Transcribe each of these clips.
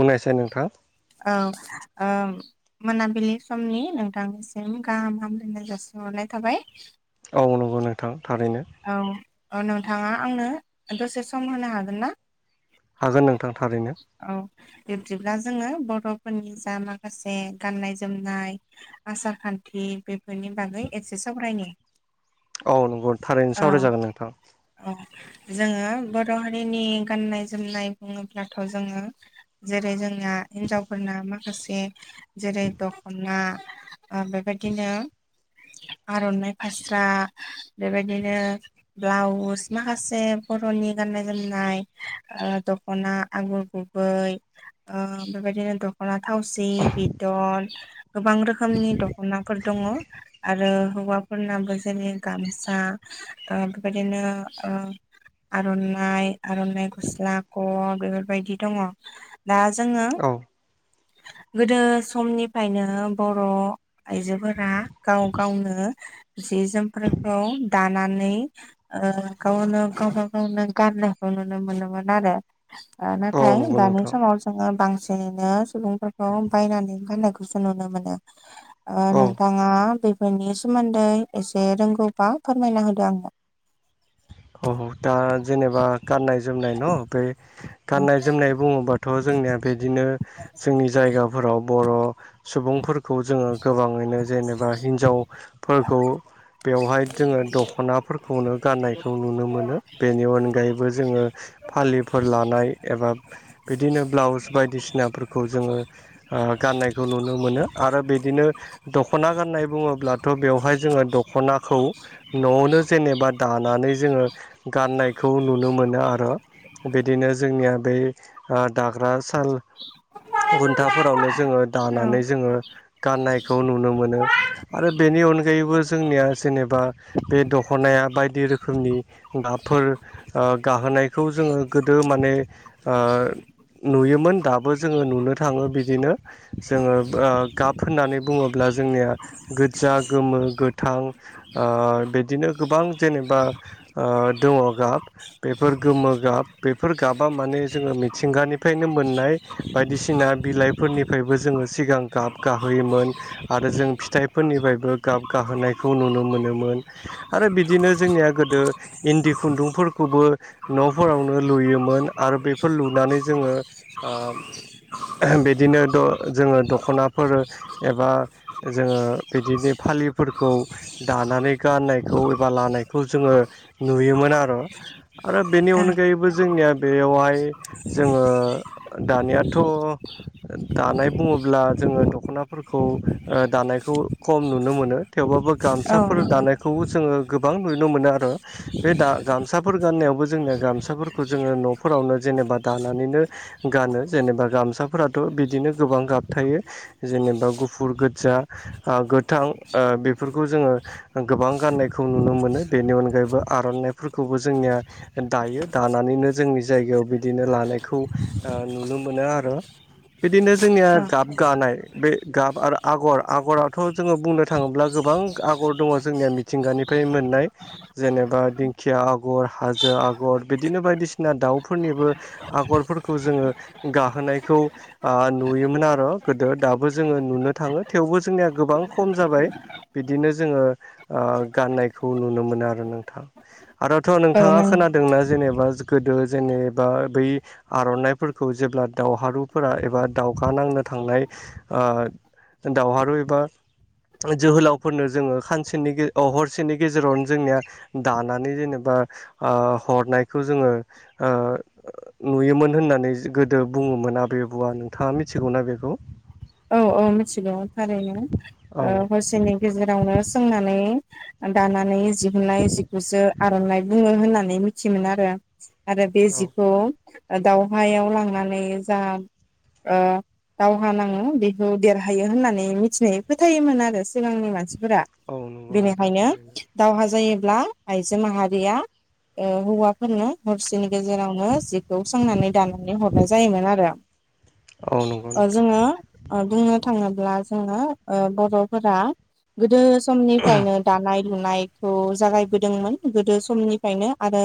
बुंनायसाय नोंथां औ ओम मोनाबिलि समनि नोंथांनिसिम गाहाम हामलायनाय जासिहरनाय थाबाय औ नोंगौ नोंथां थारैनो औ ओ नोंथाङा आंनो दसे सम होनो हागोन ना? हागोन नोंथां थारैनो औ बिब्दिब्ला जोङो बर'फोरनि जा माखासे गाननाय जोमनाय आसार खान्थि बेफोरनि बागै एसे सावरायनो औ नोंगौ थारैनो सावराय जागोन नोंथां औ जोङो बर' हारिनि गाननाय जोमनाय बुङोब्लाथ' जोङो जेरै जोंना हिन्जावफोरना माखासे जेरै द'खना आ बेबायदिनो आर'नाइ फास्रा बेबायदिनो ब्लाउस माखासे बर'नि गाननाय जोमनाय ओ दख'ना आगर गु बै ओ बेबायदिनो दख अना थावसि बिदर गोबां रोखोमनि दख'नाफोर दङ आरो हौवाफोरनाबो जोंनि गाम सा ओ बेबायदिनो ओ आर'नाइ आर'नाइ गस्ला क बेफोरबायदि दङ दा जोङो औ गोदो समनिफायनो बर' आइजोफोरा गाव गावनो जि जोमफोर [unintelligible] दा नानै ओ गावनो गावबा गावनो गान्नोखौ नुनो मोनोमोन आरो ओ औ नाथाय नंगौ दानि नोंथां समाव जोङो बांसिनैनो सुबुंफोरखौ बायनानै गाननायखौसो नुनो मोनो ओ औ नोंथाङा बेफोरनि सोमोन्दै एसे रोंगौबा फोरमायना होदो आंनो औ दा जेनेबा गाननाय जोमनाय न बै गाननाय जोमनाय बुङोबाथ' जोंनिया बिदिनो जोंनि जायगाफोराव बर' सुबुंफोरखौ जोङो गोबाङैनो जेनेबा हिन्जावफोरखौ बेवहाय दोङो दख'नाफोरखौनो गाननाय जों नुनो मोनो बेनि अनगायैबो जोङो फालिफोर लानाय एबा बिदिनो ब्लाउस बायदिसिनाफोरखौ जोङो ओ गाननायखौ नुनो मोनो आरो बिदिनो दख'ना गान्नाय बुङोब्लाथ' बेवहाय जोङो दख'नाखौ न'आवनो जेनेबा दाना जोङो गाननायखौ नुनो मोनो आरो बिदिनो जोंनिया बे ओ दाग्रा सान घुन्टाफोरावनो जोङो दानानै औ जोङो गाननायखौ नुनो मोनो आरो बेनि अनगायैबो जोंनिया जेनेबा बे दख'नाया बायदि रो फोरनि आफोर ओ गाहोनायखौ जोङो गोदो माने आ नुयोमोन दाबो जोङो नुनो थाङो बिदिनो जोङो [unintelligible] गाब होननानै बुङोब्ला जोंनिया गोज्जा गोमो गोथां ओ बिदिनो गोबां जेनेबा ओ दङ गाब बेफोर गोमो गाब बेफोर गाबा माने जोङो मिथिंगानिफायनो मोननाय बायदिसिना बिलाइफोरनिफ्रायबो जोङो सिगां गाब गाहोयोमोन आरो जों फिथाइफोरनिफायबो गाब गाहोनायखौ नुनो मोनोमोन आरो बिदिनो जोंनिया गोदो इन्दि खुन्दुंफोरखौबो न'फोरावनो लुयोमोन आरो बेफोर लुनानै जोङो आ [unintelligible] बिदिनो द जोङो दख'नाफोर एबा जोङो बिदिनि फालिफोरखौ दानानै गाननायखौ एबा लानायखौ जोंङो नुयोमोन आरो आरो बेनि अनगायैबो जोंनिया बेवहाय जोंङो दानियाथ' दानाय बुङोब्ला जोंङो दख'नाफोरखौ ओ दानायखौ खम नुनो मोनो थेवबाबो औ गामसाफोर नंगौ दानायखौ जोंङो गोबां नुनो मोनो आरो। बे दा गामसाफोर गाननायावबो जोंनिया गामसाफोरखौ जोंङो न'फोरावनो जेनेबा दानानैनो गानो जेनेबा गामसाफोराथ' बिदिनो गोबां गाब थायो। जेनेबा गुफुर, गोजा ओ गोथां ओ बेफोरखौ जोंङो गोबां गाननायखौ नुनो मोनो बेनि अनगायैबो आर'नाइफोरखौबो जोंनिया दायो दानानैनो जोंनि जायगायाव बिदिनो लानायखौ ओ नुनो मोनो आरो बिदिनो जोंनिया औ गाब गानाय बे गाब आरो आगर आगरथ' जोंङो बुंनो थाङोब्ला गोबां आगर दङ जोंनिया मि मिथिंगानिफ्राय मोननाय जेनेबा दिंखिया आग'र, हाजो आगर बिदिनो बायदिसिना दाउफोरनिबो आगरफोरखौ जोंङो गाहोनायखौ ओ नुयोमोन आरो गोदो दाबो जोंङो नुनो थांङो थेवबो जोंनिया गोबां खम जाबाय। बिदिनो जोंङो ओ गाननायखौ नुनो मोनो। नोंथां। आरो नोंथां आरोथ' औ नोंथाङा नों खोनादोंना जेनेबा गोदो जेनेबा बै आर'नाइफोरखौ जेब्ला दावहारुफोरा एबा दावहा नांनो थांनाय ओ दावहारु एबा जोहोलावफोरनो जोंङो सानसेनि अ हरसेनि गेजेरावनो जोंनिया दानानै जेनेबा ओ हरनायखौ जोंङो ओ नुयोमोन होननानै गोदो बुंङोमोन आबै आबौआ नोंथाङा मिथिगौना बेखौ? औ औ मिथिगौ थारैनो। औ ओ हरसेनि गेजेरावनो सोंनानै दानानै दिहुननाय जिखौसो आर'नाइ बुंङो होननानै मिथियोमोन आरो। आरो बे औ जिखौ दावहायाव लांनानै जा ओ दावहा नांङो बे देरहायो होननानै मिथिनाय फोथायोमोन आरो सिगांनि मानसिफोरा। औ नंगौ नोंथां बेनिखायनो थारैनो दावहा जायोब्ला आइजो माहारिया ओ हौवा फोरनो हरसेनि गेजेरावनो जिखौ सोंनानै दानानै हरनाय जायोमोन आरो। औ नंगौ ओ नोंथां जोंङो ओ बुंनो थाङोब्ला जोंङो ओ बर'फोरा गोदो समनिफ्रायनो दानाय लुनायखौ जागायबोदोंमोन गोदो समनिफ्रायनो आरो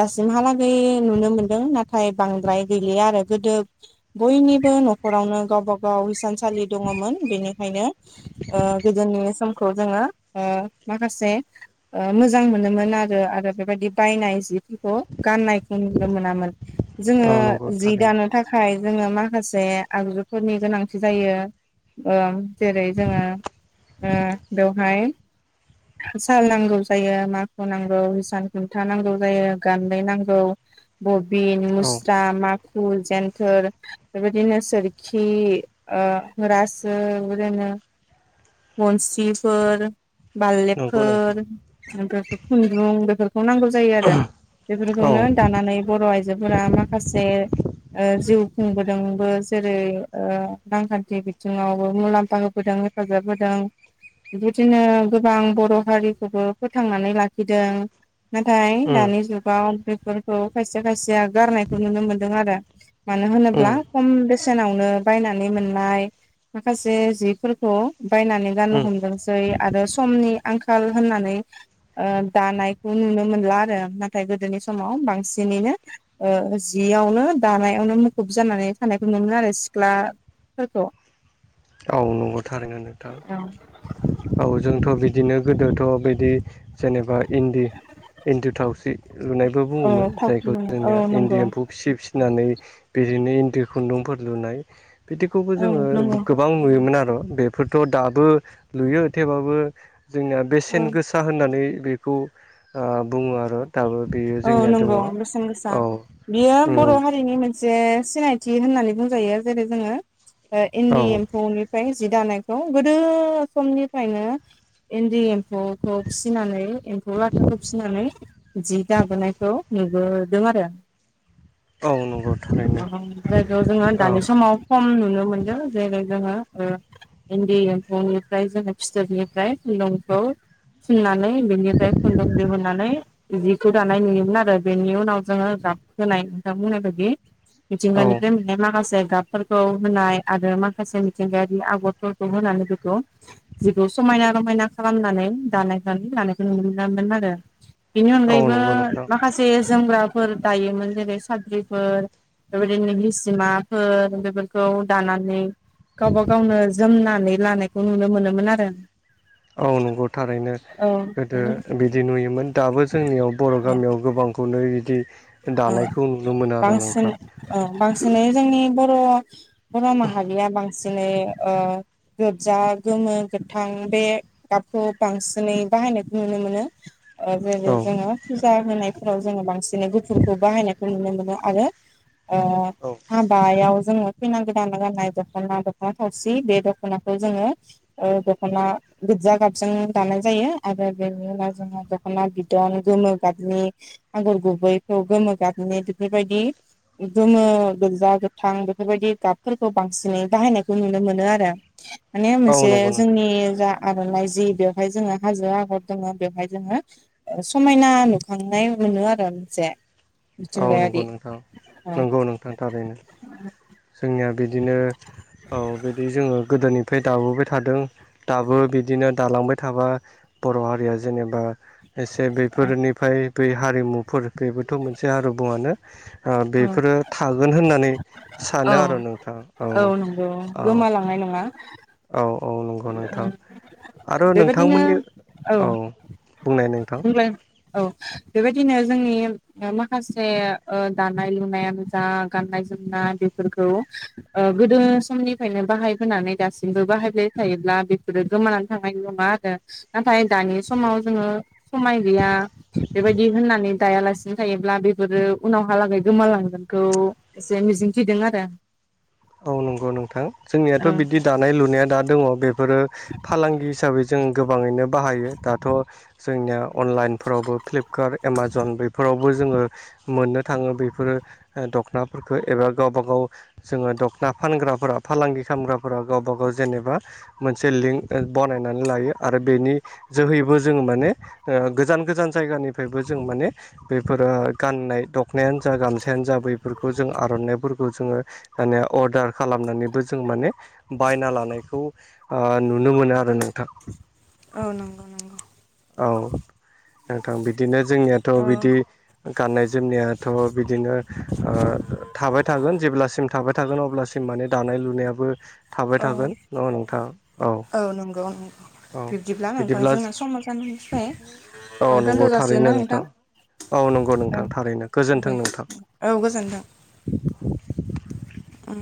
दासिमहालागै नुनो मोनदों नाथाय बांद्राय गैलिया आरो गोदो बयनिबो न'खरावनो गावबा गाव हिसानसालि दङमोन बेनिखायनो ओ गोदोनि समखौ जोंङो ओ माखासे ओ मोजां मोनोमोन आरो आरो बेबायदि बायनाय जिफोरखौ गाननायखौ नुनो मोनामोन। जोंङो औ नंगौ जि थारैनो दानो थाखाय जोंनो माखासे आगजुफोरनि गोनांथि जायो ओ जेरै जोंङो ओ बेवहाय साल नांगौ जायो माखु नांगौ हिसान खुनथा नांगौ जायो गानदै नांगौ। बबिन औ मुस्रा माखु जेन्थोर बेबायदिनो सोरखि ओ रासो बेबायदिनो मनसिफोर नंगौ नोंथां बालेबफोर ओमफ्राय खुन्दुं बेफोरखौ नांगौ जायो आरो औ बेफोरखौनो दानानै बर' आइजोफोरा माखासे ओ जिउ खुंबोदोंबो जेरै ओ रांखान्थि बिथिंङावबो मुलाम्फा होबोदों। हेफाजाब होदों बिबादिनो गोबां बर' हारिखौबो फोथांनानै लाखिदों। नाथाय उम दानि जुगाव बेफोरखौ खायसेया खायसेया गारनायखौ नुनो मोनदों आरो। मानो उम होनोब्ला खम बेसेनावनो बायनानै मोननाय माखासे जिफोरखौ बायनानै उम गाननो हमदोंसै आरो समनि आंखाल होननानै दानायखौ नुनो मोनला आरो नाथाय गोदोनि समाव बांसिनैनो जियावनो दानायावनो मुखुब जानानै थानायखौ नुनो मोनो आरो सिख्ला फोरखौ औ नंगौथ' आरो नंगौ औ जोंथ' बिदिनो गोदोथ' बिदि जेनेबा इन्दि इन्दि थावस्रि लुनायबो औ बुङोमोन थावख्रि जायखौ लुनाय औ जोंनिया इन्दि नंगौ एम्फौ फिसि फिसिनानै बिदिनो इन्दि खुन्दुंफोर लुनाय बिदिखौबो औ जोङो नंगौ गोबां नुयोमोन आरो बेफोरथ' दाबो लुयो थेवबाबो जोंनिया औ बेसेन गोसा होननानै बेखौ बुङो आरो दाबो बेयो औ जोंनिया दङ नंगौ औ बेसेन गोसा बियो बर' उम हारिनि मोनसे जे सिनायथि होननानै बुंजायो जेरै जोङो औ इन्दि एम्फौनि ओमफ्राय जि दानायखौ गोदो समनिफ्रायनो इन्दि एम्फौखौ फिसिनानै एम्फौ लाथाखौ फिसिनानै जि जाबोनायखौ नुबोदों आरो औ नंगौ थारैनो जायगायाव जोङो औ दानि समाव खम नुनो मोनदों जेरै जोङो इन्दि एम्फौनिफ्राय जोङो फिथोबनिफ्राय लंखौ फुननानै बेनिफ्राय खुन्दुं दिहुननानै जि खौ दानाय नुयोमोन आरो बेनि उनाव जोङो गाब होनाय नोंथां बुंनाय बादि औ मिथिंगानिफ्राय मोन्नाय माखासे गाब फोरखौ होनाय आरो माखासे मिथिंगायारि आगरफोरखौ होनानै बेखौ जिखौ समायना रमायना खालामनानै दानाय लानायखौ नुनो मोनामोन आरो बेनि औ अनगायैबो नंगौ नोंथां माखासे जोमग्राफोर दायोमोन जेरै साद्रिफोर बेबायदिनो सिमाफोर बेफोरखौ दानानै गावबा गावनो जोमनानै लानायखौ नुनो मोनोमोन आरो औ नंगौ थारैनो औ गोदो बिदि नुयोमोन दाबो जोंनियाव बर' नंगौ गामियाव गोबां जिखौनो बिदि औ दानायखौ नुनो मोना आरो बांसिन नोंथां बांसिनै जोंनि बर' बर' माहारिया बांसिनै गोजा गोमो गोथां बे गाबखौ बांसिनै बाहायनायखौ नुनो मोनो जेबो औ जोङो फुजा होनायफोराव जोङो बांसिन खौ बाहायनायखौ नुनो मोनो आरो औ हाबायाव जोङो खैना गोदान गाननाय दख'ना दख'ना थावसि बे दख'नाखौ जोङो दख'ना गिर्जा गाबजों दानाय जायो आरो बेनि उनाव जोङो गोबां दखना बिदन गोमो गाबनि आगर गुबैखौ गोमो गाबनि बेफोर बायदि गोमो गोजा गोथां बेफोरबायदि गाबफोरखौ बांसिनै बाहायनायखौ नुनो मोनो आरो माने औ मोनसे नंगौ नोंथां जोंनि जा आर'नाइ जि बेवहाय जोङो हाजो आगर दोङो बेवहाय जोङो ओ समायना नुखांनाय मोनो आरो मोनसे। औ नंगौ मिथिंगायारि नोंथां नंगौ नोंथां थारैनो जोंनिया बिदिनो औ बिदि जोङो गोदोनिफ्राय दाबोबाय थादों दाबो बिदिनो दालांबाय थाबा बर' हारिया जेनेबा एसे बेफोरनिफ्राय बै हारिमुफोर बेबोथ' मोनसे हारिमुआनो। ओ बेफोरो थागोन होननानै सानो औ आरो नोंथां औ नंगौ औ गोमालांनाय नङा औ औ नंगौ नोंथां आरो बेबायदिनो नोंथांमोननि औ बुंनाय नोंथां बुंलाय औ बेबायदिनो जोंनि ओ माखासे ओ दानाय लुनायानो जा गाननाय जोमनाय बेफोरखौ ओ गोदो समनिफ्रायनो बाहायबोनानै दासिमबो बाहायबाय थायोब्ला बेफोरो गोमानानै थांनाय नङा आरो नाथाय दानि समाव जोङो समाय गैया बेबायदि होननानै दायालासिनो थायोब्ला बेफोरो उनावहालागै गोमालांगोनखौ एसे मिजिंथिदों आरो। औ नंगौ नोंथां जोंनियाथ' बिदि दा नाय लुनाया दा दङ बेफोरो फालांगि हिसाबै जों गोबाङैनो बाहायो दाथ' जोंनिया अनलाइनफोरावबो फ्लिपकार्ट एमाजन बेफोरावबो जोङो मोननो थाङो बेफोरो दख'नाफोरखौ एबा गावबा गाव जोङो दख ना फानग्राफोरा फालांगि खालामग्राफोरा गावबा गाव जेनेबा मोनसे लिंक बनायनानै लायो आरो बेनि जोहैबो जों माने ओ गोजान - गोजान जायगानिफ्रायबो जों माने बेफोरो गाननाय दख नायानो जा गामसायानो जा बैफोरखौ जों आर'नाइफोरखौ जोङो माने अर्डार खालामनानैबो जों माने बायना लानायखौ ओ नुनो मोनो आरो नोंथां। औ नंगौ - नंगौ। औ नोंथां बिदिनो जोंनियाथ' औ बिदि गाननाय जोंनियाथ' बिदिनो ओ थाबाय थागोन जेब्लासिम थाबाय थागोन अब्लासिम माने दानाय लुनायाबो थाबाय थागोन न' नोंथां औ नंगौ नंगौ औ बिदिब्ला इनिफ्राय औ ओ नंगौ दोनथ' जासिगोन थारैनो ना नोंथां? औ नंगौ औ नोंथां थारैनो गोजोनथों दे नोंथां। औ ओं